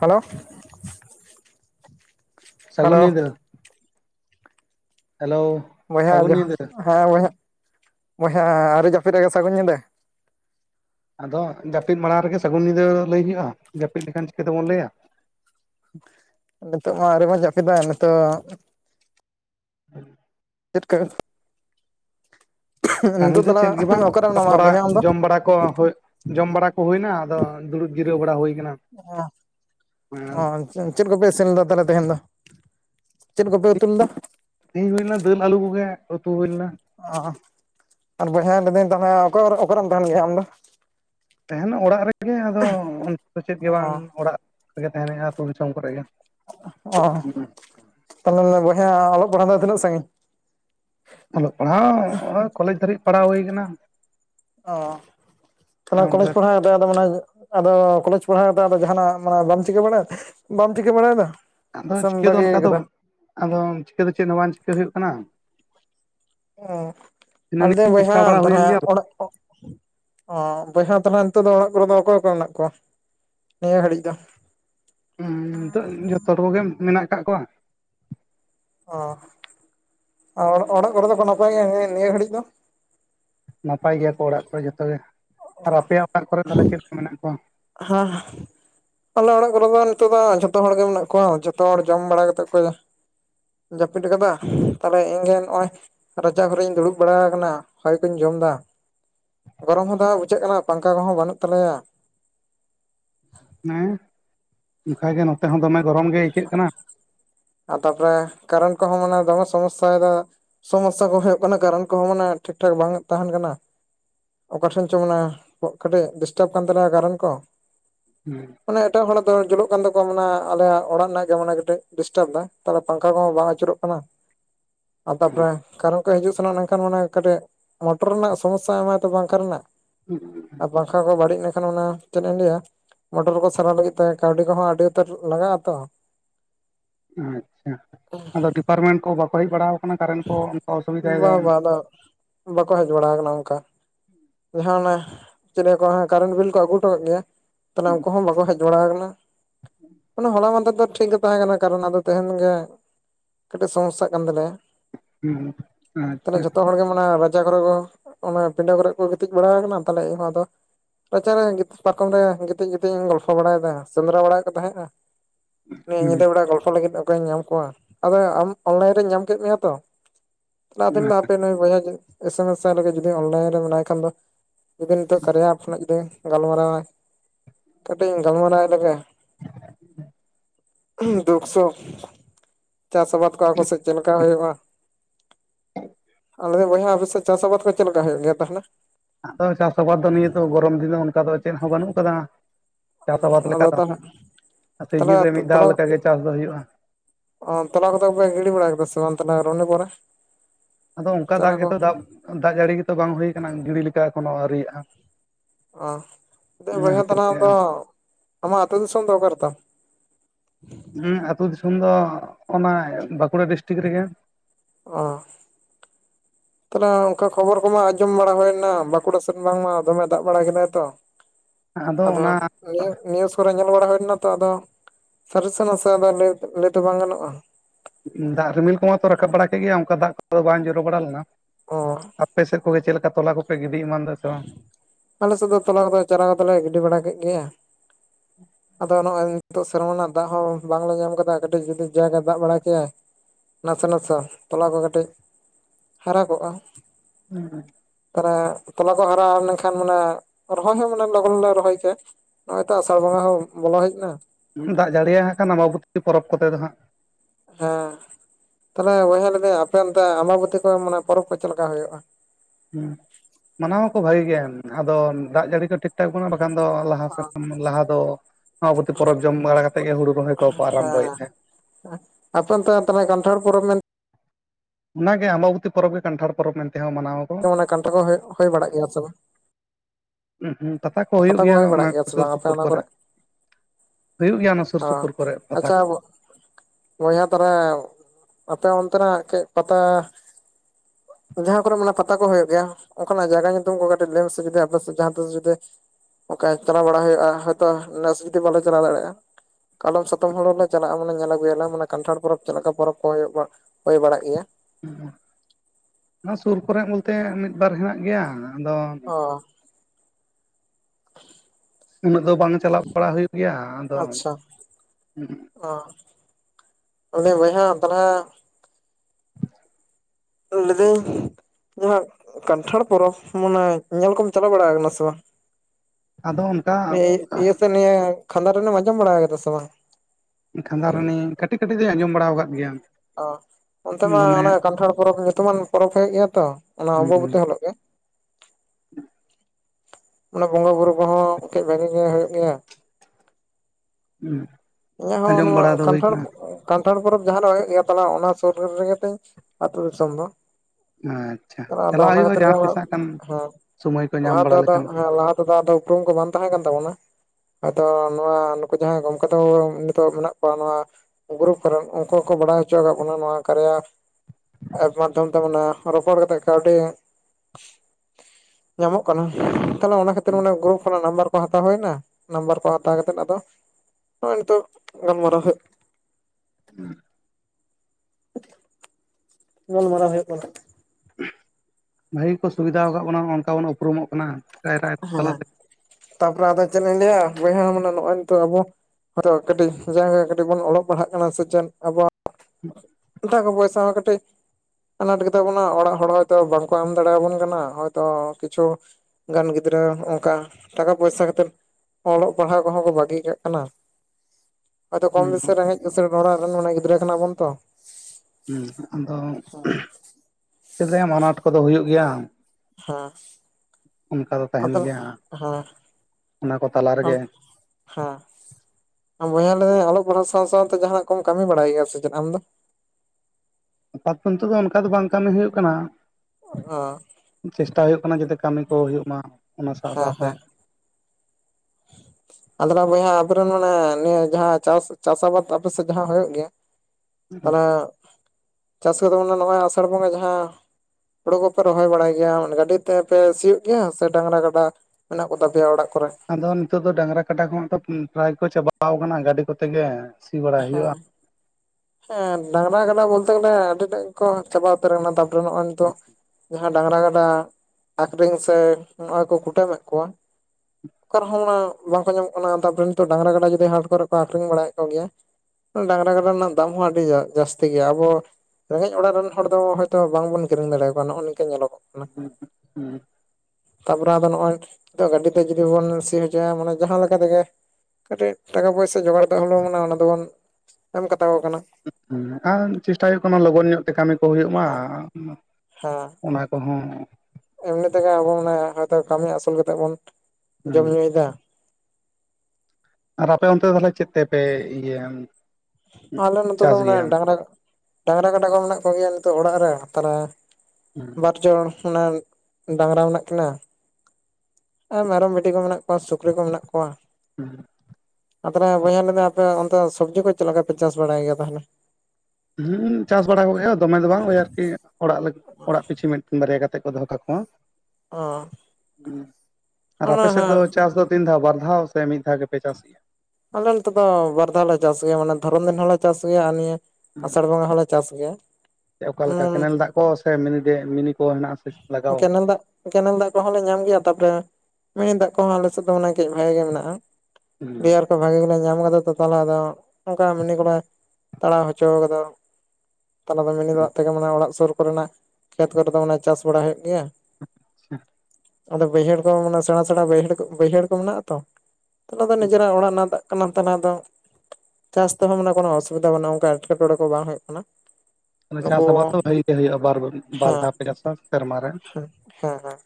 Hello ᱥᱟᱹᱜᱩᱱ hello ᱧᱤᱫᱟᱹ hello ᱵᱚᱭᱦᱟ ᱥᱟᱹᱜᱩᱱ ᱡᱚᱦᱟᱨ ᱧᱤᱫᱟᱹ ᱦᱮᱸ ᱵᱚᱭᱦᱟ ᱵᱚᱭᱦᱟ ᱟᱹᱣᱨᱤ ᱡᱟᱹᱯᱤᱫ ᱨᱮᱜᱮ ᱥᱟᱹᱜᱩᱱ ᱧᱤᱫᱟᱹ ᱟᱫᱚ ᱡᱟᱹᱯᱤᱫ ᱢᱟᱲᱟᱝ ᱨᱮᱜᱮ ᱥᱟᱹᱜᱩᱱ ᱧᱤᱫᱟᱹ ᱞᱟᱹᱭ ᱦᱩᱭᱩᱜᱼᱟ ᱡᱟᱹᱯᱤᱫ ᱞᱮᱠᱷᱟᱱ ᱪᱤᱠᱟᱹ ᱛᱮᱵᱚᱱ ᱞᱟᱹᱭᱟ ᱱᱤᱛᱚᱜ ᱢᱟ ᱟᱹᱣᱨᱤ ᱵᱚᱱ ᱡᱟᱹᱯᱤᱫᱟ ᱱᱤᱛᱚᱜ [unintelligible] ᱪᱮᱫ ᱠᱟ ᱠᱟᱹᱢᱤ ᱫᱚ ᱪᱮᱫ ᱜᱮ ᱵᱟᱝ ᱡᱚᱢ ᱵᱟᱲᱟ ᱟᱢ ᱫᱚ ᱡᱚᱢ ᱵᱟᱲᱟ ᱠᱚ ᱦᱳᱭ ᱡᱚᱢ ᱵᱟᱲᱟ ᱠᱚ ᱦᱩᱭᱱᱟ ᱟᱫᱚ ᱫᱩᱲᱩᱵ ᱡᱤᱨᱟᱹᱣ ᱵᱟᱲᱟ ᱦᱩᱭ ᱠᱟᱱᱟ᱾ ᱦᱮᱸ ᱦᱳᱭ ᱪᱮᱫ ᱠᱚᱯᱮ ᱤᱥᱤᱱ ᱞᱮᱫᱟ ᱛᱟᱦᱚᱞᱮ ᱛᱮᱦᱮᱱ ᱫᱚ ᱪᱮᱫ ᱠᱚᱯᱮ ᱩᱛᱩ ᱞᱮᱫᱟ? ᱛᱤᱦᱤᱧ ᱦᱩᱭ ᱞᱮᱱᱟ ᱫᱟᱹᱞ ᱟᱞᱩ ᱠᱚᱜᱮ ᱩᱛᱩ ᱦᱩᱭ ᱞᱮᱱᱟ ᱚ ᱟᱨ ᱵᱚᱭᱦᱟ ᱞᱮᱫᱟᱧ ᱛᱟᱦᱞᱮ ᱚᱠᱟ ᱚᱠᱟᱨᱮᱢ ᱛᱟᱦᱮᱱ ᱜᱮᱭᱟ ᱟᱢ ᱫᱚ? ᱛᱟᱦᱮᱱ ᱚᱲᱟᱜ ᱨᱮᱜᱮ ᱟᱫᱚ ᱚᱱᱠᱟ ᱫᱚ ᱪᱮᱫ ᱜᱮ ᱵᱟᱝ ᱚᱲᱟᱜ ᱨᱮᱜᱮ ᱛᱟᱦᱮᱱ ᱦᱩᱭᱩᱜᱼᱟ ᱟᱹᱛᱩ ᱫᱤᱥᱚᱢ ᱠᱚᱨᱮᱜ ᱜᱮ ᱚ ᱛᱟᱦᱞᱮ ᱵᱚᱭᱦᱟ ᱚᱞᱚᱜ ᱯᱟᱲᱦᱟᱜ ᱫᱚ ᱛᱤᱱᱟᱹᱜ ᱥᱟᱺᱜᱤᱧ ᱚᱞᱚᱜ ᱯᱟᱲᱦᱟᱣ ᱠᱚᱞᱮᱡᱽ ᱫᱷᱟᱹᱨᱤᱡ ᱯᱟᱲᱦᱟᱣ ᱦᱩᱭ ᱠᱟᱱᱟ ᱚ ᱛᱷᱟᱞᱮ ᱠᱚᱞᱮᱡᱽ ᱯᱟᱲᱦᱟᱣ ᱫᱚ ᱟᱫᱚ ᱢᱟᱱᱮ ᱟᱫᱚ ᱠᱚᱞᱮᱡᱽ ᱯᱟᱲᱦᱟᱣ ᱠᱟᱛᱮ ᱡᱟᱦᱱᱟᱜ ᱢᱟᱱᱮ ᱵᱟᱢ ᱪᱤᱠᱟᱹ ᱵᱟᱲᱟᱭᱮᱫ ᱛᱮ ᱵᱟᱢ ᱪᱤᱠᱟᱹ ᱢᱟᱲᱟᱭᱫᱟ ᱟᱫᱚ ᱪᱤᱠᱟᱹ ᱫᱚ ᱚᱱᱠᱟ ᱫᱚ ᱟᱫᱚ ᱪᱤᱠᱟᱹ ᱫᱚ ᱪᱮᱫ ᱦᱚᱸ ᱵᱟᱝ ᱪᱤᱠᱟᱹ ᱦᱩᱭᱩᱜ ᱠᱟᱱᱟ ᱚ ᱫᱷᱤᱱᱟᱹᱱᱤ ᱟᱫᱚ ᱵᱚᱭᱦᱟ ᱪᱮᱥᱴᱟ ᱵᱟᱲᱟ ᱦᱩᱭᱮᱱ ᱚᱱᱛᱮᱦᱟᱜ ᱜᱮᱭᱟ ᱚᱲᱟᱜ ᱠᱚ ᱚ ᱵᱚᱭᱦᱟ ᱛᱟᱦᱞᱮ ᱱᱤᱛᱳᱜ ᱫᱚ ᱚᱲᱟᱜ ᱠᱚᱨᱮ ᱫᱚ ᱚᱠᱚᱭ ᱠᱚ ᱢᱮᱱᱟᱜ ᱠᱚᱣᱟ ᱱᱤᱭᱟᱹ ᱜᱷᱟᱹᱲᱤᱡ ᱫᱚ ᱚᱦᱚᱸᱱᱤᱛᱚᱜ ᱡᱚᱛᱚ ᱦᱚᱲᱠᱚᱜᱮ ᱢᱮᱱᱟᱜ ᱟᱠᱟᱜ ᱠᱚᱣᱟ ᱚ ᱚᱲᱟᱜ ᱚᱲᱟᱜ ᱠᱚᱨᱮ ᱫᱚᱠᱚ ᱱᱟᱯᱟᱭ ᱜᱮᱭᱟ ᱱᱤᱱᱤᱭᱟᱹ ᱜᱷᱟᱹᱲᱤᱡ ᱫᱚ ᱱᱟᱯᱟᱭ ᱜᱮᱭᱟ ᱠᱚ ᱚᱲᱟᱜ ᱠᱚᱨᱮ ᱡᱚᱛᱚ ᱜᱮ ᱟᱨ ᱟᱯᱮᱭᱟᱜ ᱚᱲᱟᱜ ᱠᱚᱨᱮ ᱛᱟᱦᱚᱞᱮ ᱪᱮᱫ ᱞᱮᱠᱟ ᱢᱮᱱᱟᱜ ᱠᱚᱣᱟ ᱟᱦᱟᱸ ᱟᱞᱮ ᱚᱲᱟᱜ ᱠᱚᱨᱮ ᱢᱟ ᱱᱤᱛᱚᱜ ᱢᱟ ᱡᱷᱚᱛᱚ ᱦᱚᱲᱜᱮ ᱢᱮᱱᱟᱜ ᱠᱚᱣᱟ ᱡᱷᱚᱛᱚ ᱦᱚᱲ ᱡᱚᱢ ᱵᱟᱲᱟ ᱠᱟᱛᱮᱫ ᱠᱚ ᱡᱟ ᱡᱟᱹᱯᱤᱫ ᱟᱠᱟᱫᱟ ᱛᱟᱦᱞᱮ ᱤᱧ ᱦᱚᱸ ᱱᱚᱜᱼᱚᱭ ᱨᱟᱪᱟ ᱠᱷᱨᱤᱧ ᱫᱩᱲᱩᱵ ᱵᱟᱲᱟ ᱟᱠᱟᱱᱟ ᱦᱚᱭ ᱠᱩᱧ ᱡᱚᱢ ᱫᱟ ᱜᱚᱨᱚᱢ ᱦᱚᱸ ᱫᱚᱢᱮ ᱵᱩᱡᱷᱟᱹᱜ ᱠᱟᱱᱟ ᱯᱟᱝᱠᱷᱟ ᱠᱚᱦᱚᱸ ᱵᱟᱹᱱᱩᱜ ᱛᱟᱞᱮᱭᱟ ᱦᱮᱸ ᱚᱱᱠᱟᱜᱮ ᱱᱚᱛᱮ ᱦᱚᱸ ᱫᱚᱢᱮ ᱜᱚᱨᱚᱢ ᱜᱮ ᱟᱹᱭᱠᱟᱹᱜ ᱠᱟᱱᱟ ᱟᱨ ᱛᱟᱯᱚᱨᱮ ᱠᱟᱨᱮᱱᱴ ᱠᱚᱦᱚᱸ ᱢᱟᱱᱮ ᱫᱚᱢᱮ ᱥᱚᱢᱚᱥᱥᱟᱭ ᱫᱟᱭ ᱥᱚᱢᱚᱥᱥᱟ ᱠᱚ ᱦᱩᱭᱩᱜ ᱠᱟᱱᱟ ᱠᱟᱨᱮᱱ ᱠᱚᱦᱚᱸ ᱢᱟᱱᱮ ᱴᱷᱤᱠ ᱴᱷᱟᱠ ᱵᱟᱝ ᱛᱟᱦᱮᱱ ᱠᱟᱱᱟ ᱚᱠᱟ ᱴᱷᱮᱱ ᱪᱚᱝ ᱢᱟᱱᱮ ᱠᱟᱹᱴᱤᱡ ᱰᱤᱥᱴᱟᱵ ᱠᱟᱱ ᱛᱟᱞᱮᱭᱟ ᱠᱟᱨᱮᱱ ᱠᱚ ᱩᱸ ᱢᱟᱱᱮ ᱮᱴᱟᱜ ᱦᱚᱲᱟᱜ ᱫᱚ ᱡᱩᱞᱚᱜ ᱠᱟᱱ ᱛᱟᱠᱚᱣᱟ ᱢᱟᱱᱮ ᱟᱞᱮᱭᱟᱜ ᱚᱲᱟᱜ ᱨᱮᱱᱟᱜ ᱜᱮ ᱢᱟᱱᱮ ᱠᱟᱹᱴᱤᱡ ᱰᱤᱥᱴᱟᱵᱽ ᱫᱟ ᱛᱟᱦᱞᱮ ᱯᱟᱝᱠᱷᱟ ᱠᱚᱦᱚᱸ ᱵᱟᱝ ᱟᱹᱪᱩᱨᱚᱜ ᱠᱟᱱᱟ ᱟ ᱛᱟᱯᱚᱨᱮ ᱠᱟᱨᱚᱱ ᱠᱚ ᱦᱤᱡᱩᱜ ᱥᱱᱚᱜ ᱢᱮᱱᱠᱷᱟᱱ ᱢᱟᱱᱮ ᱠᱟᱹᱴᱤᱡ ᱢᱚᱴᱚᱨ ᱨᱮᱱᱟᱜ ᱥᱚᱢᱚᱥᱥᱟ ᱮᱢᱟᱭ ᱛᱚ ᱵᱟᱝᱠᱷᱟᱨ ᱨᱮᱱᱟᱜ ᱦᱩᱸ [unintelligible] ᱟᱨ ᱯᱟᱝᱠᱷᱟ ᱠᱚ ᱵᱟᱹᱲᱤᱡ ᱞᱮᱠᱷᱟᱱ ᱚᱱᱟ ᱪᱮᱫ ᱤᱧ ᱞᱟᱹᱭᱟ ᱢᱚᱴᱚᱨ ᱠᱚ ᱥᱟᱨᱟᱣ ᱞᱟᱹᱜᱤᱫ ᱛᱮ ᱠᱟᱹᱣᱰᱤ ᱠᱚᱦᱚᱸ ᱟᱹᱰᱤ ᱩᱛᱟᱹᱨ ᱞᱟᱜᱟᱜᱼᱟ ᱛᱚ ᱟᱪᱪᱷᱟ ᱟᱫᱚ ᱰᱤᱯᱟᱨᱴᱢᱮᱱ ᱠᱚ ᱵᱟᱠᱚ ᱦᱮᱡ ᱵᱟᱲᱟᱣ ᱵᱟᱝ ᱵᱟᱝ ᱟᱫᱚ ᱵᱟᱠᱚ ᱦᱮᱡ ᱵᱟᱲᱟ ᱠᱟᱱᱟ ᱚᱱᱠᱟ ᱡᱟᱦᱟᱸ ᱚᱱᱟ ᱪᱮᱜ ᱞᱟᱹᱭ ᱠᱚ ᱦᱟᱸᱜ ᱠᱟᱨᱮᱱᱴ ᱵᱤᱞ ᱠᱚ ᱟᱹᱜᱩ ᱦᱚᱴᱚ ᱠᱟᱜ ᱜᱮᱭᱟ ᱛᱟᱦᱚᱞᱮ ᱩᱱᱠᱩ ᱦᱚᱸ ᱵᱟᱠᱚ ᱦᱮᱡ ᱵᱟᱲᱟ ᱟᱠᱟᱱᱟ ᱚᱱᱮ ᱦᱚᱞᱟ ᱢᱟᱫᱮᱨ ᱫᱚ ᱴᱷᱤᱠ ᱜᱮ ᱛᱟᱦᱮᱸ ᱠᱟᱱᱟ ᱠᱟᱨᱚᱱ ᱟᱫᱚ ᱛᱮᱦᱱ ᱜᱮ ᱠᱟᱹᱴᱤᱡ ᱥᱚᱢᱚᱥᱥᱟ ᱠᱟᱱ ᱛᱟᱞᱮᱭᱟ ᱦᱩᱸ ᱛᱟᱦᱚᱞᱮ ᱟᱪᱪᱷᱟ ᱡᱷᱚᱛᱚ ᱦᱚᱲᱜᱮ ᱢᱟᱱᱮ ᱨᱟᱡᱟ ᱠᱚᱨᱮ ᱠᱚ ᱚᱱᱮ ᱯᱤᱸᱰᱟᱹ ᱠᱚᱨᱮᱜ ᱠᱚ ᱜᱤᱛᱤᱡ ᱵᱟᱲᱟ ᱠᱟᱱᱟ ᱛᱟᱦᱚᱞᱮ ᱤᱧ ᱦᱚᱸ ᱟᱫᱚ ᱨᱟᱪᱟᱨᱮ ᱜᱤᱛᱤᱡ ᱯᱟᱨᱠᱚᱢ ᱨᱮ ᱜᱤᱛᱤᱡ ᱜᱤᱛᱤᱡ ᱤᱧ ᱜᱚᱞᱯᱷᱚ ᱵᱟᱲᱟᱭ ᱫᱟ ᱥᱮᱸᱫᱨᱟ ᱵᱟᱲᱟᱭᱮᱫ ᱠᱚ ᱛᱟᱦᱮᱸᱫᱼᱟ ᱢᱤ ᱦᱩᱸ ᱧᱤᱫᱟᱹ ᱵᱮᱲᱟ ᱜᱚᱞᱯᱚ ᱞᱟᱹᱜᱤᱫ ᱚᱠᱚᱤᱧ ᱧᱟᱢ ᱠᱚᱣᱟ ᱟᱫᱚ ᱟᱢ ᱚᱱᱞᱟᱭᱤᱱ ᱨᱮᱧ ᱧᱟᱢ ᱠᱮᱫ ᱢᱮᱭᱟ ᱛᱚ ᱟᱫᱚᱧ [unintelligible] ᱦᱟᱯᱮ ᱱᱩᱭ ᱵᱚᱭᱦᱟ ᱮᱥᱢᱮᱥᱟᱭ ᱞᱮᱜᱮ ᱡᱩᱫᱤ ᱚᱱᱞᱟᱭᱤᱱ ᱨᱮ ᱢᱮᱱᱟᱭ ᱠᱷᱟᱱ ᱫᱚ ᱡᱩᱫᱤ ᱱᱤᱛᱚᱜ ᱠᱟᱨᱮᱭᱟ ᱮᱯ ᱠᱷᱚᱱᱟᱜ ᱡᱩᱫᱤ ᱜᱟᱞᱢᱟᱨᱟᱣᱟᱭ ᱠᱟᱹᱴᱤᱡ ᱤᱧ ᱜᱟᱞᱢᱟᱨᱟᱣᱟᱭ ᱞᱮᱜᱮ ᱩᱦᱩᱸ ᱫᱩᱠ ᱥᱩᱠᱷ ᱪᱟᱥ ᱟᱵᱟᱫᱽ ᱠᱚ ᱟᱠᱚ ᱥᱮᱫ ᱪᱮᱫ ᱞᱮᱠᱟ ᱦᱩᱭᱩᱜᱼᱟ [unintelligible] ᱟ ᱞᱮ ᱵᱚᱭᱦᱟ ᱟᱯᱮ ᱥᱮᱫ ᱪᱟᱥ ᱟᱵᱟᱫ ᱠᱚ ᱪᱮᱫ ᱞᱮᱠᱟ ᱦᱩᱭᱩᱜ ᱜᱮᱭᱟ ᱛᱟᱦᱚᱞᱮ ᱟᱫᱚ ᱪᱟᱥ ᱟᱵᱟᱫ ᱫᱚ ᱱᱤᱭᱟᱹ ᱫᱚ ᱜᱚᱨᱚᱢ ᱫᱤᱱ ᱫᱚ ᱚᱱᱠᱟ ᱫᱚ ᱪᱮᱫ ᱦᱚᱸ ᱵᱟᱹᱱᱩᱜ ᱠᱟᱫᱟ ᱟᱫᱚ ᱛᱟᱦᱚᱸᱜ ᱛᱟᱦᱞᱮ ᱥᱤᱡᱤᱱ ᱨᱮ ᱢᱤᱫ ᱟᱛᱳᱜ ᱫᱷᱟᱣ ᱛᱚᱞᱟ ᱞᱮᱠᱟᱜᱮ ᱪᱟᱥ ᱫᱚ ᱦᱩᱭᱩᱜᱼᱟ ᱚ ᱛᱚᱞᱟ ᱠᱚᱫᱚ ᱯᱮ ᱜᱤᱰᱤᱵᱟᱲᱟ ᱠᱮᱫᱟ ᱥᱮ ᱵᱟᱝ ᱚᱱᱛᱮᱱᱟᱜ ᱨᱩᱱᱤ ᱠᱚᱨᱮ ᱟᱫᱚ ᱚᱱᱠᱟ ᱫᱟᱜ ᱜᱮᱛᱚ ᱫᱟᱜ ᱡᱟᱹᱲᱤ ᱜᱮᱛᱚ ᱵᱟᱝ ᱦᱩᱭ ᱠᱟᱱᱟ ᱜᱤᱲᱤ ᱞᱮᱠᱟ ᱮᱠᱷᱚᱱᱳ ᱟᱹᱣᱤᱭᱟᱜᱼᱟ ᱚ ᱵᱚᱭᱦᱟ ᱛᱟᱞᱟᱝ ᱫᱚ ᱟᱢᱟᱜ ᱟᱛᱩ ᱫᱥᱚᱢ ᱫᱚ ᱚᱠᱟᱨᱮ ᱛᱟᱢ ᱦᱩᱸ ᱟᱛᱩ ᱫᱤᱥᱚᱢ ᱫᱚ ᱚᱱᱟ ᱵᱟᱸᱠᱩᱲᱟ ᱰᱤᱥᱴᱤᱠ ᱨᱮᱜᱮ ᱚ ᱛᱟᱦᱚᱞᱮ ᱚᱱᱠᱟ ᱠᱷᱚᱵᱚᱨ ᱠᱚᱢᱟ ᱟᱸᱡᱚᱢ ᱵᱟᱲᱟ ᱦᱩᱭᱱᱟ ᱵᱟᱸᱠᱩᱲᱟ ᱥᱮᱱ ᱵᱟᱝᱢᱟ ᱫᱚᱢᱮ ᱫᱟᱜ ᱵᱟᱲᱟ ᱠᱮᱫᱟ ᱛᱚ ᱟᱫᱚ ᱱᱤᱭᱟᱹ ᱱᱤᱭᱟᱹ ᱥᱳᱨ ᱨᱮ ᱧᱮᱞ ᱵᱟᱲᱟ ᱦᱩᱭ ᱞᱮᱱᱟ ᱛᱚ ᱟᱫᱚ ᱥᱟᱹᱨᱤ ᱥᱮ ᱱᱟᱥᱮ ᱟᱫᱚ ᱞᱟᱹᱭ ᱫᱚ ᱵᱟᱝ ᱜᱟᱱᱚᱜᱼᱟ ᱫᱟᱜ ᱨᱤᱢᱤᱞ ᱠᱚᱢᱟ ᱛᱚ ᱨᱟᱠᱟᱵ ᱵᱟᱲᱟ ᱠᱮᱫ ᱜᱮᱭᱟ ᱚᱱᱠᱟ ᱫᱟᱜ ᱠᱚᱫᱚ ᱵᱟᱝ ᱡᱚᱨᱚ ᱵᱟᱲᱟ ᱞᱮᱱᱟ ᱚ ᱟᱯᱮ ᱥᱮᱫ ᱠᱚᱜᱮ ᱪᱮᱫ ᱞᱮᱠᱟ ᱛᱚᱞᱟ ᱠᱚᱯᱮ ᱜᱤᱰᱤ ᱮᱢᱟᱱ ᱫᱟ ᱥᱮ ᱵᱟᱝ ᱟᱞᱮ ᱥᱮᱫ ᱫᱚ ᱛᱚᱞᱟ ᱠᱟᱫᱚ ᱪᱟᱨᱟ ᱠᱟᱫᱚ ᱞᱮ ᱜᱤᱰᱤ ᱵᱟᱲᱟ ᱠᱮᱫ ᱜᱮᱭᱟ ᱟᱫᱚ ᱱᱚᱜᱼᱚᱭ ᱱᱤᱛᱚᱜ ᱥᱮᱨᱢᱟ ᱨᱮᱱᱟᱜ ᱫᱟᱜ ᱦᱚᱸ ᱵᱟᱝᱞᱮ ᱧᱟᱢ ᱠᱟᱫᱟ ᱠᱟᱹᱴᱤᱡ ᱡᱩᱫᱤ ᱡᱟᱜᱮ ᱫᱟᱜ ᱵᱟᱲᱟ ᱠᱮᱭᱟᱭ ᱱᱟᱥᱮ ᱱᱟᱥᱮ ᱛᱚᱞᱟ ᱠᱚ ᱠᱟᱹᱴᱤᱡ ᱦᱟᱨᱟ ᱠᱚᱜᱼᱟ᱾ ᱦᱩᱸᱻ ᱛᱟᱨᱮ ᱛᱚᱞᱟ ᱠᱚ ᱦᱟᱨᱟ ᱞᱮᱱᱠᱷᱟᱱ ᱢᱟᱱᱮ ᱨᱚᱦᱚᱭ ᱦᱚᱸ ᱢᱟᱱᱮ ᱞᱚᱜᱚᱱ ᱞᱮ ᱨᱚᱦᱚᱭ ᱠᱟᱭᱟ᱾ ᱱᱚᱜ ᱚᱭ ᱛᱚ ᱟᱥᱟᱲ ᱵᱚᱸᱜᱟ ᱦᱚᱸ ᱵᱚᱞᱚ ᱦᱮᱡ ᱮ ᱱᱟ ᱾ ᱫᱟᱜ ᱡᱟᱹᱲᱤᱭᱟᱭ ᱦᱟᱸᱜ ᱠᱷᱟᱱ ᱟᱢᱵᱟᱵᱚᱛᱤ ᱯᱚᱨᱚᱵᱽ ᱠᱚᱛᱮ ᱫᱚ ᱦᱟᱸᱜ᱾ ᱦᱮᱸ ᱛᱟᱦᱚᱞᱮ ᱛᱟᱦᱚᱞᱮ ᱵᱚᱭᱦᱟ ᱞᱟᱹᱭᱫᱟᱹᱧ ᱟᱯᱮ ᱚᱱᱛᱮ ᱟᱢᱵᱟᱵᱚᱛᱤ ᱠᱚ ᱢᱟᱱᱮ ᱯᱚᱨᱚᱵᱽ ᱠᱚ ᱪᱮᱫᱮ ᱞᱮᱠᱟ ᱦᱳᱭᱳᱜᱼᱟ᱾ ᱦᱩᱸ ᱢᱟᱱᱟᱣᱟᱠᱚ ᱵᱷᱟᱜᱤ ᱜᱮ ᱟᱫᱚ ᱫᱟᱜ ᱡᱟᱹᱲᱤ ᱠᱟᱹᱴᱤ ᱴᱮᱜᱮ ᱠᱷᱚᱱᱟᱜ ᱵᱟᱠᱷᱟᱱ ᱫᱚ ᱞᱟᱦᱟ ᱦᱮᱸ ᱥᱮᱱ ᱞᱟᱦᱟ ᱫᱚ ᱾ ᱟᱢᱵᱟᱵᱚᱛᱤ ᱯᱚᱨᱚᱵᱽ ᱡᱚᱢ ᱵᱟᱲᱟ ᱠᱟᱛᱮᱜ ᱜᱮ ᱦᱩᱲᱩ ᱨᱚᱦᱚᱭ ᱠᱚ ᱠᱚ ᱟᱨᱚᱢᱵᱚᱭᱮᱫ ᱦᱮᱸ ᱛᱟᱦᱮᱜ᱾ ᱟᱯᱮ ᱚᱱᱛᱮ ᱠᱟᱱᱴᱷᱟᱲ ᱯᱚᱨᱚᱵᱽ ᱢᱮᱱ ᱚᱱᱟᱜᱮ ᱟᱢᱵᱟᱵᱚᱛᱤ ᱯᱚᱨᱚᱵᱽ ᱜᱮ ᱠᱟᱱᱴᱷᱟᱲ ᱯᱚᱨᱚᱵᱽ ᱢᱮᱱᱛᱮ ᱦᱚᱸ ᱢᱟᱱᱟᱣ ᱾ ᱫᱚ ᱚᱱᱮ ᱠᱟᱱᱴᱷᱟᱲ ᱠᱚᱜᱮ ᱦᱩᱭ ᱵᱟᱲᱟᱜ ᱜᱮᱭᱟ ᱥᱮ ᱵᱟᱝ? ᱩᱸᱜ ᱩᱸ ᱯᱟᱛᱟ ᱠᱚ ᱦᱩᱭᱩᱜ ᱜᱮᱭᱟ ᱦᱩᱭ ᱚᱱᱟ ᱵᱟᱲᱟᱜ ᱥᱮ ᱥᱩᱨ ᱵᱟᱝ ᱟᱯᱮ ᱥᱩᱯᱩᱨ ᱚᱱᱟ ᱠᱚᱨᱮ ᱦᱩᱭᱩᱜ ᱜᱮᱭᱟ ᱚᱱᱟ ᱥᱩᱨ ᱚᱸ ᱥᱩᱯᱩᱨ ᱠᱚᱨᱮ ᱯᱟᱛᱟ ᱟᱪᱪᱷᱟ᱾ ᱵᱚᱭᱦᱟ ᱛᱟᱨᱟᱣ ᱟᱯᱮ ᱚᱱᱛᱮᱱᱟᱜ ᱠᱟᱹᱡ ᱯᱟᱛᱟ ᱡᱟᱦᱟᱸ ᱠᱚᱨᱮ ᱢᱟᱱᱮ ᱯᱟᱛᱟ ᱠᱚ ᱦᱳᱭᱳᱜ ᱜᱮᱭᱟ᱾ ᱚᱱᱠᱟᱱᱟᱜ ᱡᱟᱭᱜᱟ ᱧᱩᱛᱩᱢ ᱠᱚ ᱠᱟᱹᱴᱤᱡ ᱞᱟᱹᱭ ᱢᱮᱥᱮ ᱡᱩᱫᱤ ᱟᱯᱮ ᱥᱮᱫ ᱡᱟᱦᱟᱸ ᱛᱤᱥ ᱡᱩᱫᱤ ᱚᱠᱟ ᱪᱟᱞᱟᱣ ᱵᱟᱲᱟ ᱦᱩᱭᱩᱜᱼᱟ ᱦᱚᱭᱛᱚ ᱱᱮᱥ ᱡᱩᱫᱤ ᱵᱟᱞᱮ ᱪᱟᱞᱟᱣ ᱫᱟᱲᱮᱭᱟᱜᱼᱟ ᱾ ᱠᱟᱞᱚᱢ ᱥᱟᱛᱚᱢ ᱦᱚᱲᱚᱞᱮ ᱪᱟᱞᱟᱜᱼᱟ ᱢᱟᱱᱮ ᱧᱮᱞ ᱟᱹᱜᱩᱭᱟᱞᱮ ᱢᱟᱱᱮ ᱠᱟᱱᱴᱷᱟᱲ ᱯᱚᱨᱚᱵᱽ ᱪᱮᱫ ᱞᱮᱠᱟ ᱯᱚᱨᱚᱵ ᱠᱚ ᱦᱳᱭᱳᱜ ᱟ ᱦᱳᱭ ᱵᱟᱲᱟᱜ ᱜᱮᱭᱟ᱾ ᱱᱚᱣᱟ ᱥᱩᱨ ᱠᱚᱨᱮ ᱵᱚᱞᱛᱮ ᱢᱤᱫ ᱵᱟᱨ ᱦᱮᱱᱟᱜ ᱜᱮᱭᱟ ᱟᱸᱫᱚ ᱾ ᱚᱸ ᱩᱱᱟᱹᱜ ᱫᱚ ᱵᱟᱝ ᱪᱟᱞᱟᱣ ᱵᱟᱲᱟ ᱦᱩᱭᱩᱜ ᱜᱮᱭᱟ ᱟᱫᱚ ᱚᱸ ᱟᱫᱚ ᱵᱚᱭᱦᱟ ᱛᱟᱦᱚᱞᱮ ᱾ ᱞᱮᱫᱟᱹᱧ ᱾ ᱡᱟᱦᱟᱸ ᱠᱟᱱᱴᱷᱟᱲ ᱯᱚᱨᱚᱵᱽ ᱢᱟᱱᱮ ᱧᱮᱞ ᱠᱚᱢ ᱪᱟᱞᱟᱣ ᱵᱟᱲᱟ ᱠᱟᱱᱟ ᱥᱮ ᱵᱟᱝ? ᱟᱫᱚ ᱚᱱᱠᱟ ᱤᱭᱟᱹ ᱤᱭᱟᱹ ᱥᱮ ᱱᱤᱭᱟᱹ ᱠᱷᱟᱱᱫᱟᱨᱟᱱᱤᱢ ᱟᱡᱚᱢ ᱵᱟᱲᱟ ᱠᱟᱫᱟ ᱥᱮᱵᱟᱝ? ᱠᱷᱟᱱᱫᱟᱨᱟᱱᱤ ᱠᱟᱹᱴᱤᱡ ᱠᱟᱹᱴᱤᱡ ᱫᱩᱧ ᱟᱧᱡᱚᱢ ᱵᱟᱲᱟ ᱠᱟᱫ ᱜᱮᱭᱟ᱾ ᱚᱸ ᱚᱱᱛᱮ ᱫᱚᱢᱮ ᱢᱟ ᱠᱟᱱᱴᱷᱟᱲ ᱯᱚᱨᱚᱵᱽ ᱧᱩᱛᱩᱢᱟᱱ ᱯᱚᱨᱚᱵᱽ ᱦᱩᱭᱩᱜ ᱜᱮᱭᱟ ᱛᱚ ᱚᱱᱟ ᱦᱩᱸ ᱟᱢᱵᱟᱵᱚᱛᱤ ᱦᱤᱞᱳᱜ ᱜᱮ᱾ [inaudible] ᱚᱱᱮ ᱵᱚᱸᱜᱟ ᱵᱩᱨᱩ ᱠᱚᱦᱚᱸ ᱠᱟᱹᱡ ᱵᱷᱟᱜᱤ ᱜᱮ ᱦᱩᱭᱩᱜ ᱜᱮᱭᱟ ᱾ ᱩᱸᱻ ᱤᱧᱟᱹᱜ ᱦᱚᱸ ᱱᱚᱣᱟ ᱠᱟᱱᱴᱷᱟᱲ ᱠᱟᱱᱴᱷᱟᱲ ᱯᱚᱨᱚᱵᱽ ᱡᱟᱦᱟᱸ ᱨᱮ ᱦᱩᱭᱩᱜ ᱜᱮᱭᱟ ᱛᱟᱦᱚᱞᱮ ᱚᱱᱟ ᱥᱩᱨ ᱨᱮᱜᱮ ᱛᱤᱧ ᱟᱹᱛᱩ ᱫᱤᱥᱚᱢ ᱫᱚ ᱾ ᱟᱪᱪᱷᱟ ᱛᱟᱦᱚᱞᱮ ᱟᱫᱚ ᱪᱟᱞᱟᱜ ᱚᱱᱟ ᱦᱩᱭᱩᱜᱼᱟ ᱠᱷᱟᱹᱛᱤᱨ ᱜᱮ ᱡᱟᱦᱟᱸ ᱦᱩᱸ ᱛᱤᱥ ᱦᱟᱸᱜ ᱠᱷᱟᱱ ᱥᱚᱢᱚᱭ ᱠᱚ ᱧᱟᱢ ᱞᱟᱦᱟᱛᱮ ᱵᱟᱲᱟ ᱟᱫᱚ ᱞᱮᱠᱷᱟᱱ ᱦᱩᱸ ᱞᱟᱦᱟ ᱫᱚ ᱩᱯᱨᱩᱢ ᱠᱚ ᱵᱟᱝ ᱛᱟᱦᱮᱸ ᱠᱟᱱ ᱛᱟᱵᱚᱱᱟ ᱟᱫᱚ ᱱᱚᱭᱟ ᱱᱩᱠᱩ ᱡᱟᱦᱟᱭ ᱜᱚᱝᱠᱮ ᱛᱚ ᱱᱤᱛᱚᱜ ᱢᱮᱱᱟᱜ ᱠᱚᱣᱟ ᱱᱚᱣᱟ ᱜᱨᱩᱯ ᱠᱚᱨᱮᱱ ᱩᱱᱠᱩ ᱠᱚᱸ ᱵᱟᱲᱟᱭ ᱦᱚᱪᱚ ᱟᱠᱟᱫ ᱵᱚᱱᱟ ᱱᱚᱣᱟ ᱠᱟᱨᱤᱭᱟ ᱮᱯᱥ ᱮᱯ ᱢᱟᱫᱽᱫᱷᱚᱢ ᱛᱮ ᱢᱟᱱᱮ ᱨᱚᱯᱚᱲ ᱠᱟᱛᱮᱜ ᱠᱟᱹᱣᱰᱤ ᱧᱟᱢᱚᱜ ᱠᱟᱱᱟ ᱛᱟᱦᱚᱞᱮ ᱚᱱᱟ ᱠᱷᱟᱹᱛᱤᱨ ᱢᱟᱱᱮ ᱜᱨᱩᱯ ᱠᱷᱚᱱᱟᱜ ᱱᱟᱢᱵᱟᱨ ᱠᱚ ᱦᱟᱛᱟᱣ ᱦᱩᱭᱱᱟ ᱱᱟᱢᱵᱟᱨ ᱠᱚ ᱦᱟᱛᱟᱣ ᱠᱟᱛᱮ ᱟᱫᱚ᱾ ᱦᱚᱸᱜ-ᱚᱭ ᱱᱤᱛᱚᱜ ᱜᱟᱞᱢᱟᱨᱟᱣ [inaudible] ᱜᱟᱞᱢᱟᱨᱟᱣ ᱦᱳᱭᱳᱜ ᱠᱟᱱᱟ᱾ ᱵᱷᱟᱜᱤ ᱠᱚ ᱥᱩᱵᱤᱫᱷᱟ ᱟᱠᱟᱫ ᱵᱚᱱᱟ ᱚᱝᱠᱟ ᱵᱚᱱ ᱩᱯᱨᱩᱢᱚᱜ ᱠᱟᱱᱟ᱾ ᱠᱟᱭᱨᱟ ᱦᱮᱸ ᱛᱟᱞᱟᱛᱮ ᱛᱟᱯᱚᱨᱮ ᱟᱫᱚ ᱪᱮᱫ ᱤᱧ ᱞᱟᱹᱭᱟ ᱵᱚᱭᱦᱟ ᱱᱚᱜᱼᱚᱭ ᱱᱤᱛᱚᱜ ᱟᱵᱚ ᱦᱚᱭᱛᱳ ᱠᱟᱹᱴᱤᱡ ᱡᱟᱦᱟᱜᱮ ᱠᱟᱹᱴᱤᱡ ᱵᱚᱱ ᱚᱞᱚᱜ ᱯᱟᱲᱦᱟᱜ ᱠᱟᱱᱟ ᱥᱮ ᱪᱮᱫ ᱟᱵᱚᱣᱟᱜ [inaudible] ᱴᱟᱠᱟ ᱯᱚᱭᱥᱟ ᱦᱚᱸ ᱠᱟᱹᱴᱤᱡ ᱟᱱᱟᱴ ᱜᱮᱛᱟ ᱵᱚᱱᱟ ᱚᱲᱟᱜ ᱦᱚᱲ ᱦᱚᱭᱛᱚ ᱵᱟᱝᱠᱚ ᱮᱢ ᱫᱟᱲᱮᱭᱟᱵᱚᱱ ᱠᱟᱱᱟ ᱦᱚᱭᱛᱚ ᱠᱤᱪᱷᱩ ᱜᱟᱱ ᱜᱤᱫ ᱜᱤᱫᱽᱨᱟᱹ ᱚᱱᱠᱟ ᱴᱟᱠᱟ ᱯᱚᱭᱥᱟ ᱠᱷᱟᱹᱛᱤᱨ ᱚᱞᱚᱜ ᱯᱟᱲᱦᱟᱣ ᱠᱚᱦᱚᱸ ᱠᱚ ᱵᱟᱹᱜᱤ ᱠᱟᱜ ᱠᱟᱱᱟ᱾ ᱦᱚᱭᱛᱚ ᱠᱚᱢ ᱦᱩᱸ ᱵᱮᱥᱤ ᱨᱮᱜᱮᱡ ᱠᱤᱥᱟᱹᱲ ᱚᱲᱟᱜ ᱨᱮᱱ ᱢᱟᱱᱮ ᱜᱤᱫᱽᱨᱟᱹ ᱦᱮᱱᱟᱜ ᱵᱚᱱᱟ ᱛᱚ ᱾ ᱦᱩᱸ ᱟᱫᱚ ᱪᱤᱠᱟᱹᱭᱟᱢ ᱟᱱᱟᱴ ᱠᱚᱫᱚ ᱦᱩᱭᱩᱜ ᱜᱮᱭᱟ᱾ ᱦᱮᱸ ᱚᱱᱠᱟ ᱫᱚ ᱛᱟᱦᱮᱱ ᱟᱫᱚ ᱜᱮᱭᱟ ᱚᱱᱟ ᱠᱚ ᱛᱟᱞᱟ ᱛᱟᱦᱚᱞᱮ ᱨᱮᱜᱮ [inaudible] ᱦᱮᱸ ᱵᱚᱭᱦᱟ ᱞᱟᱹᱭᱫᱟᱹᱧ ᱚᱞᱚᱜ ᱯᱟᱲᱦᱟᱣ ᱥᱟᱶ ᱥᱟᱶᱛᱮ ᱡᱟᱦᱟᱱᱟᱜ ᱠᱚᱢ ᱠᱟᱹᱢᱤ ᱵᱟᱲᱟᱭ ᱜᱮᱭᱟ ᱥᱮ ᱪᱮᱫ ᱟᱢ ᱫᱚ? ᱟᱫᱚ ᱱᱤᱛᱚᱜ ᱫᱚ ᱚᱱᱠᱟ ᱫᱚ ᱵᱟᱝ ᱠᱟᱹᱢᱤ ᱦᱩᱭᱩᱜ ᱠᱟᱱᱟ᱾ ᱚ ᱪᱮᱥᱴᱟ ᱦᱩᱭᱩᱜ ᱠᱟᱱᱟ ᱡᱟᱛᱮ ᱠᱟᱹᱢᱤ ᱠᱚ ᱦᱩᱭᱩᱜ ᱢᱟ, ᱚᱱᱟ ᱥᱟᱶ ᱥᱟᱶᱛᱮ [inaudible] ᱟᱞᱮᱫᱚ ᱵᱚᱭᱦᱟ ᱟᱯᱮ ᱨᱮᱱ ᱢᱟᱱᱮ ᱱᱤᱭᱟᱹ ᱡᱟᱦᱟᱸ ᱪᱟᱥ ᱪᱟᱥᱟ ᱵᱟᱫᱽ ᱟᱯᱮᱥᱮᱫ ᱡᱟᱦᱟᱸ ᱦᱩᱭᱩᱜ ᱜᱮᱭᱟ? ᱛᱟᱦᱚᱞᱮ ᱪᱟᱥ ᱠᱚᱫᱚ ᱢᱟᱱᱮ ᱱᱚᱜᱼᱚᱭ ᱟᱥᱟᱲ ᱵᱚᱸᱜᱟ ᱡᱟᱦᱟᱸ ᱦᱳᱲᱳ ᱠᱚᱯᱮ ᱨᱚᱦᱚᱭ ᱵᱟᱲᱟᱭ ᱜᱮᱭᱟ ᱢᱟᱱᱮ ᱜᱟᱹᱰᱤ ᱛᱮᱯᱮ ᱥᱤᱭᱳᱜ ᱜᱮᱭᱟ ᱥᱮ ᱰᱟᱝᱨᱟ ᱠᱟᱰᱟ ᱢᱮᱱᱟᱜ ᱠᱚ ᱛᱟᱯᱮᱭᱟ ᱚᱲᱟᱜ ᱠᱚᱨᱮ? ᱟᱫᱚ ᱱᱤᱛᱚᱜ ᱫᱚ ᱰᱟᱝᱨᱟ ᱠᱟᱰᱟ ᱠᱚᱦᱚᱸ ᱛᱚ ᱯᱨᱟᱭ ᱠᱚ ᱪᱟᱵᱟᱣ ᱠᱟᱱᱟ, ᱜᱟᱹᱰᱤ ᱠᱚᱛᱮ ᱜᱮ᱾ ᱥᱤ ᱵᱟᱲᱟᱭ ᱦᱩᱭᱩᱜᱼᱟ ᱦᱮᱸ ᱦᱮᱸ ᱰᱟᱝᱨᱟ ᱠᱟᱰᱟ ᱵᱚᱞᱛᱮ ᱜᱮᱞᱮ ᱟᱹᱰᱤ ᱴᱟᱜ-ᱜᱮ ᱠᱚ ᱪᱟᱵᱟ ᱩᱛᱟᱹᱨ ᱠᱟᱱᱟ ᱛᱟᱯᱚᱨᱮ ᱱᱚᱜ-ᱚᱭ ᱱᱤᱛᱚᱜ ᱡᱟᱦᱟᱸ ᱰᱟᱝᱨᱟ ᱠᱟᱰᱟ ᱟᱹᱠᱷᱨᱤᱧ ᱥᱮ ᱱᱚᱜ-ᱚᱭ ᱠᱚ ᱠᱩᱴᱟᱹᱢᱮᱫ ᱠᱚᱣᱟ᱾ ᱚᱠᱟ ᱨᱮᱦᱚᱸ ᱢᱟ ᱵᱟᱝᱠᱚ ᱧᱟᱢᱚᱜ ᱠᱟᱱᱟ᱾ ᱛᱟᱨᱯᱚᱨᱮ ᱱᱤᱛᱚᱜ ᱰᱟᱝᱨᱟ ᱠᱟᱰᱟ ᱡᱩᱫᱤ ᱦᱟᱴ ᱠᱚᱨᱮ ᱠᱚ ᱟᱹᱠᱷᱨᱤᱧ ᱵᱟᱲᱟᱮᱫ ᱠᱚ ᱜᱮᱭᱟ᱾ ᱰᱟᱝᱨᱟ ᱠᱟᱰᱟ ᱨᱮᱱᱟᱜ ᱫᱟᱢ ᱦᱚᱸ ᱟᱹᱰᱤ ᱡᱟᱹᱥᱛᱤ ᱜᱮᱭᱟ᱾ ᱟᱵᱚ ᱨᱮᱸᱜᱮᱡᱽ ᱚᱲᱟᱜ ᱨᱮᱱ ᱦᱚᱲ ᱫᱚ ᱦᱳᱭᱛᱳ ᱵᱟᱝᱵᱚᱱ ᱠᱤᱨᱤᱧ ᱫᱟᱬᱮᱭᱟ ᱠᱚᱣᱟ᱾ ᱱᱚᱜᱼᱚᱭ ᱱᱤᱝᱠᱟ ᱧᱮᱞᱚᱜᱚᱜ ᱠᱟᱱᱟ ᱦᱩᱸ ᱦᱩᱸ ᱛᱟᱯᱚᱨᱮ ᱟᱫᱚ ᱱᱚᱜᱼᱚᱭ ᱱᱤᱛᱚᱜ ᱜᱟᱹᱰᱤ ᱛᱮ ᱡᱩᱫᱤ ᱵᱚᱱ ᱥᱤ ᱦᱚᱪᱚᱭᱟ ᱢᱟᱱᱮ ᱡᱟᱦᱟᱸ ᱞᱮᱠᱟ ᱛᱮᱜᱮ ᱠᱟᱹᱴᱤᱡ ᱴᱟᱠᱟ ᱯᱚᱭᱥᱟᱹ ᱡᱚᱜᱟᱲ ᱠᱟᱜ ᱦᱚᱞᱳ ᱢᱟᱱᱮ ᱚᱱᱟ ᱫᱚᱵᱚᱱ ᱮᱢ ᱠᱟᱛᱟ ᱠᱚ ᱠᱟᱱᱟ᱾ ᱦᱩᱸ ᱟᱨ ᱪᱮᱥᱴᱟᱭ ᱦᱩᱭᱩᱜ ᱠᱟᱱᱟ ᱞᱚᱜᱚᱱ ᱧᱚᱜ ᱠᱟᱹᱢᱤ ᱠᱚ ᱦᱩᱭᱩᱜ ᱢᱟ ᱦᱮᱸ ᱦᱮᱸ ᱚᱱᱟ ᱠᱚᱦᱚᱸ ᱮᱢᱱᱤ ᱛᱮᱜᱮ ᱟᱵᱚ ᱢᱟᱱᱮ ᱦᱚᱭᱛᱚ ᱠᱟᱹᱢᱤ ᱟᱹᱥᱩᱞ ᱠᱟᱛᱮᱜ ᱵᱚᱱ ᱡᱚᱢ ᱦᱮᱸ ᱧᱩᱭᱫᱟ᱾ ᱟᱨ ᱟᱯᱮ ᱚᱱᱛᱮ ᱫᱚ ᱛᱟᱦᱞᱮ ᱪᱮᱫ ᱛᱮᱯᱮ ᱤᱭᱟᱹᱭᱟ? ᱟᱞᱮ ᱱᱚᱛᱮ ᱫᱚ ᱢᱟᱱᱮ ᱰᱟᱝᱨᱟ ᱰᱟᱝᱨᱟ ᱠᱟᱰᱟ ᱠᱚ ᱢᱮᱱᱟᱜ ᱠᱚᱜᱮᱭᱟ ᱱᱤᱛᱚᱜ ᱚᱲᱟᱜ ᱨᱮ᱾ ᱛᱟᱦᱚᱞᱮ ᱵᱟᱨ ᱡᱚᱲ ᱢᱟᱱᱮ ᱰᱟᱝᱨᱟ ᱢᱮᱱᱟᱜ ᱠᱤᱱᱟᱹ ᱟᱨ ᱢᱮᱨᱚᱢ, ᱵᱷᱤᱴᱤ ᱠᱚ ᱢᱮᱱᱟᱜ ᱠᱚᱣᱟ, ᱥᱩᱠᱨᱤ ᱠᱚ ᱢᱮᱱᱟᱜ ᱠᱚᱣᱟ᱾ ᱦᱩᱸ ᱟ ᱛᱟᱦᱞᱮ ᱵᱚᱭᱦᱟ ᱞᱟᱹᱭ ᱢᱮ ᱟᱯᱮ ᱚᱱᱛᱮ ᱥᱚᱵᱽᱡᱤ ᱠᱚ ᱪᱮᱫ ᱞᱮᱠᱟ ᱯᱮ ᱪᱟᱥ ᱵᱟᱲᱟᱭ ᱜᱮᱭᱟ ᱛᱟᱦᱚᱞᱮ? ᱦᱩᱸ ᱪᱟᱥ ᱵᱟᱲᱟ ᱠᱚᱜᱮ ᱫᱚᱢᱮ ᱫᱚ ᱵᱟᱝ ᱳᱭ ᱟᱨᱠᱤ᱾ ᱚᱲᱟᱜ ᱞᱟᱜ ᱚᱲᱟᱜ ᱯᱤᱪᱷᱤ ᱢᱤᱫᱴᱤᱱ ᱵᱟᱨᱭᱟ ᱠᱟᱛᱮᱫ ᱠᱚ ᱫᱚᱦᱚ ᱠᱟᱠᱚᱣᱟ᱾ ᱚᱻ ᱦᱩᱸ ᱟᱨ ᱟᱯᱮ ᱥᱮᱫ ᱫᱚ ᱪᱟᱥ ᱫᱚ ᱛᱤᱱ ᱫᱷᱟᱶ ᱵᱟᱨ ᱫᱷᱟᱶ ᱥᱮ ᱢᱤᱫ ᱫᱷᱟᱣ ᱜᱮᱯᱮ ᱪᱟᱥ? ᱟᱞᱮ ᱱᱚᱛᱮ ᱫᱚ ᱵᱟᱨ ᱫᱷᱟᱶ ᱞᱮ ᱪᱟᱥ ᱜᱮᱭᱟ, ᱢᱟᱱᱮ ᱫᱷᱚᱨᱚᱱ ᱫᱤᱱ ᱦᱚᱸᱞᱮ ᱪᱟᱥ ᱜᱮᱭᱟ ᱟᱨ ᱱᱤᱭᱟᱹ ᱟᱥᱟᱲ ᱵᱚᱸᱜᱟ ᱦᱚᱞᱮ ᱪᱟᱥ ᱜᱮᱭᱟ᱾ ᱩᱸ ᱚ ᱥᱮ ᱢᱤᱱᱤᱰᱮ ᱢᱤᱱᱤᱴ ᱠᱮᱱᱮᱞ ᱫᱟᱜ ᱠᱮᱱᱮᱞ ᱫᱟᱜ ᱠᱚᱦᱚᱸ ᱞᱮ ᱧᱟᱢ ᱜᱮᱭᱟ᱾ ᱛᱟᱯᱚᱨᱮ ᱢᱤᱱᱤ ᱫᱟᱜ ᱠᱚᱦᱚᱸ ᱟᱞᱮ ᱥᱮᱫ ᱫᱚ ᱚᱱᱮ ᱠᱟᱹᱡ ᱵᱷᱟᱜᱮ ᱜᱮ ᱢᱮᱱᱟᱜᱼᱟ᱾ ᱞᱤᱭᱟᱨ ᱠᱚ ᱵᱷᱟᱜᱤ ᱜᱮᱞᱮ ᱧᱟᱢ ᱠᱟᱫᱟ ᱛᱚ ᱛᱟᱦᱚᱞᱮ ᱟᱫᱚ ᱚᱱᱠᱟ ᱢᱤᱱᱤ ᱠᱚᱞᱮ ᱛᱟᱲᱟᱣ ᱦᱚᱪᱚ ᱠᱟᱫᱟ᱾ ᱛᱟᱦᱚᱞᱮ ᱫᱚ ᱢᱤᱱᱤ ᱫᱟᱜ ᱛᱮᱜᱮ ᱢᱟᱱᱮ ᱚᱲᱟᱜ ᱥᱩᱨ ᱠᱚᱨᱮᱱᱟᱜ ᱠᱷᱮᱛ ᱠᱚᱨᱮ ᱫᱚ ᱢᱟᱱᱮ ᱪᱟᱥ ᱵᱟᱲᱟ ᱦᱩᱭᱩᱜ ᱜᱮᱭᱟ᱾ ᱟᱪᱪᱷᱟ ᱟᱫᱚ ᱵᱟᱹᱭᱦᱟᱹᱲ ᱠᱚ ᱢᱟᱱᱮ ᱥᱮᱬᱟ ᱥᱮᱬᱟ ᱵᱟᱹᱭᱦᱟᱹᱲ ᱠᱚ ᱵᱟᱹᱭᱦᱟᱹᱲ ᱠᱚ ᱢᱮᱱᱟᱜ-ᱟ ᱛᱚ ᱛᱟᱦᱚᱞᱮ ᱟᱫᱚ ᱱᱤᱡᱮᱨᱟᱜ ᱚᱲᱟᱜ ᱨᱮᱱᱟᱜ ᱫᱟᱜ ᱠᱟᱱᱟ ᱛᱟᱱᱟ ᱟᱫᱚ ᱪᱟᱥ ᱛᱮᱦᱚᱸ ᱢᱟᱱᱮ ᱠᱚᱱᱳ ᱚᱥᱩᱵᱤᱫᱷᱟ ᱵᱟᱹᱱᱩᱜ ᱚᱱᱠᱟ ᱮᱴᱠᱮᱴᱚᱬᱮ ᱠᱚ ᱵᱟᱝ ᱦᱩᱭᱩᱜ ᱠᱟᱱᱟ᱾ ᱢᱟᱱᱮ ᱱᱩᱠᱩ ᱪᱟᱥ ᱟᱵᱟᱫᱽ ᱫᱚ ᱵᱷᱟᱜᱤ ᱜᱮ ᱦᱩᱭᱩᱜᱼᱟ ᱵᱟᱨ ᱵᱟᱨ ᱦᱮᱸ ᱫᱷᱟᱶ ᱯᱮ ᱪᱟᱥᱟ ᱥᱮᱨᱢᱟᱨ ᱨᱮ᱾ ᱦᱮᱸ ᱦᱮᱸ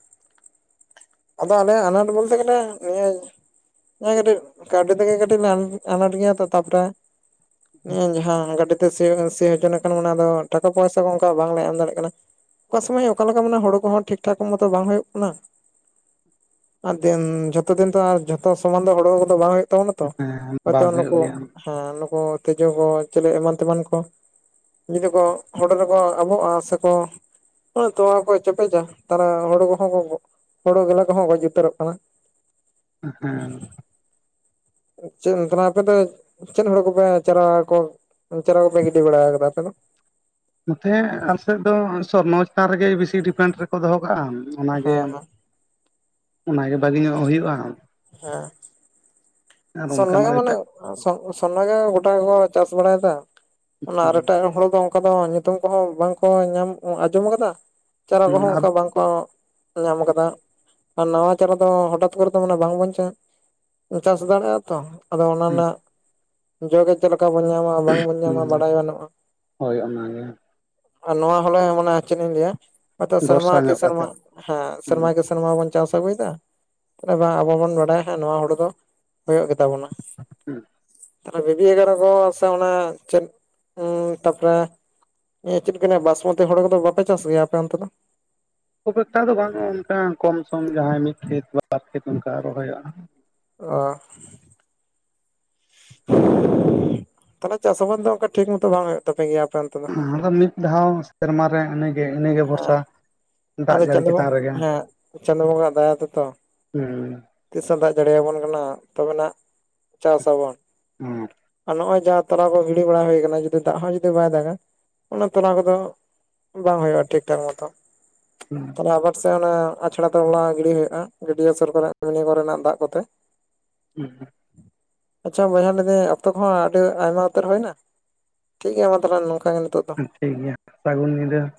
ᱟᱫᱚ ᱟᱞᱮᱭᱟᱜ ᱟᱱᱟᱴ ᱵᱚᱞᱛᱮ ᱜᱮᱞᱮ ᱱᱤᱭᱟᱹ ᱤᱭᱟᱹ ᱠᱟᱹᱴᱤᱡ ᱠᱟᱹᱣᱰᱤ ᱛᱮᱜᱮ ᱠᱟᱹᱴᱤᱡ ᱞᱮ ᱟᱱᱟᱴ ᱟᱱᱟᱴ ᱜᱮᱭᱟ ᱛᱚ ᱛᱟᱯᱚᱨᱮ ᱤᱧ ᱡᱟᱦᱟᱸ ᱜᱟᱹᱰᱤ ᱛᱮ ᱥᱤ ᱥᱤ ᱦᱚᱪᱚ ᱞᱮᱠᱷᱟᱱ ᱚᱱᱟᱫᱚ ᱴᱟᱠᱟ ᱯᱚᱭᱥᱟ ᱠᱚ ᱚᱱᱠᱟ ᱵᱟᱝᱞᱮ ᱮᱢ ᱫᱟᱲᱮᱜ ᱠᱟᱱᱟ᱾ ᱚᱠᱟ ᱥᱚᱢᱚᱭ ᱚᱠᱟ ᱞᱮᱠᱟ ᱢᱟᱱᱮ ᱦᱳᱲᱳ ᱠᱚᱦᱚᱸ ᱴᱷᱤᱠ ᱴᱷᱟᱠ ᱢᱚᱛᱚ ᱵᱟᱝ ᱦᱩᱭᱩᱜ ᱠᱟᱱᱟ᱾ ᱟᱨ ᱫᱤᱱ ᱡᱷᱚᱛᱚ ᱫᱤᱱ ᱛᱚ ᱟᱨ ᱡᱷᱚᱛᱚ ᱥᱚᱢᱟᱱ ᱫᱚ ᱦᱳᱲᱳ ᱠᱚᱫᱚ ᱵᱟᱝ ᱦᱳᱭᱳᱜ ᱛᱟᱵᱚᱱᱟ ᱛᱚ ᱦᱮᱸ ᱦᱚᱭᱛᱚ ᱵᱟᱝ ᱦᱩᱭᱩᱜ ᱱᱩᱠᱩ ᱜᱮᱭᱟ ᱦᱮᱸ ᱱᱩᱠᱩ ᱛᱤᱡᱩ ᱠᱚ ᱪᱤᱞᱤ ᱮᱢᱟᱱ ᱛᱮᱢᱟᱱ ᱠᱚ ᱡᱩᱫᱤ ᱠᱚ ᱦᱳᱲᱳ ᱨᱮᱠᱚ ᱟᱵᱚᱜᱼᱟ ᱥᱮᱠᱚ ᱦᱚ ᱛᱚᱣᱟ ᱠᱚ ᱪᱮᱯᱮᱡᱟ ᱛᱟᱦᱞᱮ ᱦᱩᱲᱩ ᱠᱚᱦᱚᱸ ᱠᱚ ᱦᱩᱲᱩ ᱜᱮᱞᱮ ᱠᱚᱦᱚᱸ ᱜᱚᱡ ᱡᱩᱛᱟᱹᱨᱚᱜ ᱠᱟᱱᱟ᱾ ᱦᱮᱸ ᱪᱮᱫ ᱱᱚᱛᱱᱟ ᱟᱯᱮ ᱫᱚ ᱪᱮᱫ ᱦᱩᱲᱩ ᱠᱚᱯᱮ ᱪᱟᱨᱟ ᱠᱚ ᱪᱟᱨᱟ ᱠᱚᱯᱮ ᱜᱤᱰᱤ ᱵᱟᱲᱟᱣ ᱟᱠᱟᱫᱟ ᱟᱯᱮ ᱫᱚ? ᱱᱚᱛᱮ ᱟᱞᱮ ᱥᱮᱫ ᱫᱚ ᱥᱚᱨᱱᱚ ᱪᱮᱛᱟᱱ ᱨᱮᱜᱮ ᱵᱤᱥᱤ ᱰᱤᱯᱮᱱᱴ ᱨᱮᱠᱚ ᱫᱚᱦᱚ ᱠᱟᱜᱼᱟ᱾ ᱚᱱᱟᱜᱮ, ᱦᱮᱸ ᱦᱮᱸ ᱚᱱᱟᱜᱮ ᱵᱷᱟᱹᱜᱤ ᱧᱚᱜ ᱦᱩᱭᱩᱜᱼᱟ᱾ ᱦᱮᱸ ᱟᱨ ᱥᱚᱨᱱᱟ ᱜᱮ ᱚᱱᱠᱟᱱᱟᱜ ᱫᱚ ᱢᱟᱱᱮ ᱮᱴᱟᱜ ᱥᱚ ᱥᱚᱨᱱᱟ ᱜᱮ‌ ᱜᱚᱴᱟ ᱜᱮᱠᱚ ᱪᱟᱥ ᱵᱟᱲᱟᱭᱮᱫᱟ᱾ ᱚᱱᱟ ᱟᱨ ᱮᱴᱟᱜ ᱦᱚᱲ ᱫᱚ ᱚᱱᱠᱟ ᱫᱚ ᱧᱩᱛᱩᱢ ᱠᱚᱦᱚᱸ ᱵᱟᱝᱠᱚ ᱧᱟᱢ ᱟᱸᱡᱚᱢ ᱟᱠᱟᱫᱟ ᱾ ᱪᱟᱨᱟ ᱠᱚᱦᱚᱸ ᱟᱨ ᱚᱱᱠᱟ ᱵᱟᱝᱠᱚ ᱧᱟᱢ ᱟᱠᱟᱫᱟ᱾ ᱟᱨ ᱱᱟᱣᱟ ᱪᱟᱨᱟ ᱫᱚ ᱦᱚᱴᱟᱛ ᱠᱚᱨᱮ ᱛᱚ ᱢᱟᱱᱮ ᱵᱟᱝ ᱵᱚᱱ ᱪᱟᱥ᱾ [unintelligible] ᱫᱟᱲᱮᱭᱟᱜᱼᱟ ᱛᱚ ᱟᱫᱚ ᱚᱱᱟ ᱨᱮᱱᱟᱜ ᱡᱚ ᱜᱮ ᱪᱮᱫ ᱞᱮᱠᱟ ᱵᱚᱱ ᱧᱟᱢᱟ ᱵᱟᱝ ᱵᱚᱱ ᱧᱟᱢᱟ ᱵᱟᱰᱟᱭ ᱜᱟᱱᱚᱜᱼᱟ᱾ ᱦᱳᱭ ᱚᱱᱟᱜᱮ ᱟᱨ ᱱᱚᱣᱟ ᱦᱚᱞᱮ ᱢᱟᱱᱮ ᱪᱮᱫ ᱤᱧ ᱞᱟᱹᱭᱟ ᱦᱚᱭᱛᱚ ᱥᱮᱨᱢᱟ ᱵᱷᱚᱨᱥᱟ ᱠᱮ ᱧᱚᱜ ᱥᱮᱨᱢᱟ ᱠᱟᱛᱮᱫ ᱦᱮᱸ ᱥᱮᱨᱢᱟ ᱠᱮ ᱥᱮᱨᱢᱟ ᱵᱚᱱ ᱪᱟᱥ ᱟᱹᱜᱩᱭ ᱫᱟ ᱛᱟᱦᱞᱮ‌ ᱢᱟ ᱟᱵᱚ ᱵᱚᱱ ᱵᱟᱰᱟᱭᱟ ᱦᱟᱸᱜ ᱱᱚᱣᱟ ᱦᱩᱲᱩ ᱫᱚ ᱦᱳᱭᱳᱜ ᱜᱮ ᱛᱟᱵᱚᱱᱟ ᱵᱤᱵᱤ ᱮᱜᱟᱨᱚ ᱠᱚ ᱥᱮ ᱚᱱᱟ ᱪᱮᱫ ᱛᱟᱯᱚᱨᱮ ᱤᱭᱟᱹ ᱪᱮᱫ ᱠᱚ ᱞᱟᱹᱭᱟ ᱵᱟᱥᱢᱚᱛᱤ ᱦᱚᱲ ᱠᱚᱫᱚ ᱵᱟᱯᱮ ᱪᱟᱥ ᱜᱮᱭᱟ ᱟᱯᱮ ᱚᱱᱛᱮ ᱫᱚ? ᱠᱷᱩᱵ ᱮᱠᱴᱟ ᱫᱚ ᱵᱟᱝᱟ ᱚᱱᱠᱟ ᱠᱚᱢ ᱥᱚᱢ ᱡᱟᱦᱟᱸᱭ ᱢᱤᱫ ᱠᱷᱮᱛ ᱵᱟᱨ ᱠᱷᱮᱛ ᱚᱱᱠᱟ ᱨᱚᱦᱚᱭᱚᱜᱼᱟ ᱾ ᱚᱻ [inaudible] ᱛᱟᱞᱦᱮ ᱪᱟᱥ ᱟᱵᱟᱫ ᱫᱚ ᱚᱱᱠᱟ ᱴᱷᱤᱠ ᱢᱚᱛᱚ ᱵᱟᱝ ᱦᱩᱭᱩᱜ ᱛᱟᱯᱮ ᱜᱮᱭᱟ ᱟᱯᱮ ᱚᱱᱛᱮ ᱫᱚ ᱾ ᱚᱱᱟ ᱫᱚ ᱢᱤᱫ ᱫᱷᱟᱣ ᱥᱮᱨᱢᱟ ᱨᱮ ᱤᱱᱟᱹᱜᱮ ᱤᱱᱟᱹᱜᱮ ᱵᱷᱚᱨᱥᱟ ᱦᱮᱸ ᱫᱟᱜ ᱟᱫᱚ ᱡᱟᱹᱲᱤ ᱪᱟᱸᱫᱳ ᱪᱮᱛᱟᱱ ᱨᱮᱜᱮ ᱦᱮᱸ ᱪᱟᱸᱫᱳ ᱵᱚᱸᱜᱟᱭᱟᱜ ᱫᱟᱭᱟ ᱛᱮᱛᱚ ᱦᱩᱸ ᱛᱤᱥᱮ ᱫᱟᱜ ᱡᱟᱹᱲᱤ ᱟᱵᱚᱱ ᱠᱟᱱᱟ ᱛᱚᱵᱮᱱᱟᱜ ᱪᱟᱥ ᱟᱵᱚᱱ ᱾ ᱟᱨ ᱱᱚᱜ-ᱚᱭ ᱡᱟᱦᱟᱸ ᱛᱟᱞᱟ ᱠᱚ ᱜᱤᱲᱤ ᱵᱟᱲᱟ ᱦᱩᱭ ᱠᱟᱱᱟ ᱡᱩᱫᱤ ᱫᱟᱜ ᱦᱚᱸ ᱡᱩᱫᱤ ᱵᱟᱭ ᱫᱟᱜᱟ ᱚᱱᱟ ᱛᱚᱞᱟ ᱠᱚᱫᱚ ᱵᱟᱝ ᱦᱩᱭᱩᱜᱼᱟ ᱴᱷᱤᱠ-ᱴᱷᱟᱠ ᱢᱚᱛᱚ ᱾ [unintelligible] ᱛᱟᱦᱞᱮ ᱟᱵᱟᱨ ᱥᱮᱭ ᱚᱱᱟ ᱟᱪᱷᱟᱲᱟ ᱛᱚᱞᱟ ᱜᱤᱰᱤ ᱦᱩᱭᱩᱜᱼᱟ ᱜᱟᱹᱰᱭᱟᱹ ᱥᱩᱨ ᱠᱚᱨᱮ ᱢᱤᱱᱤ ᱠᱚᱨᱮᱱᱟᱜ ᱫᱟᱜ ᱠᱚᱛᱮ ᱾ [inaudible] [unintelligible] ᱸᱸ ᱟᱪᱪᱷᱟ ᱵᱚᱭᱦᱟ ᱞᱟᱹᱭ ᱫᱟᱹᱧ ᱚᱠᱛᱚ ᱠᱚᱦᱚᱸ ᱟᱹᱰᱤ ᱟᱭᱢᱟ ᱩᱛᱟᱹᱨ ᱦᱩᱭ ᱱᱟ ᱴᱷᱤᱠ ᱜᱮᱭᱟ ᱢᱟ ᱛᱟᱦᱞᱮ ᱱᱚᱝᱠᱟ ᱜᱮ ᱱᱤᱛᱚᱜ ᱴᱷᱤᱠ ᱜᱮᱭᱟ ᱥᱟᱹᱜᱩᱱ ᱧᱤᱫᱟᱹ ᱾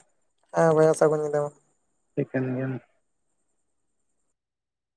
ᱦᱮᱸ ᱵᱚᱭᱦᱟ ᱥᱟᱹᱜᱩᱱ ᱧᱤᱫᱟᱹ ᱢᱟ [unintelligible]